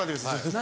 何？